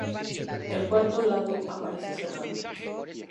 El cuarto lado aparece cerrado.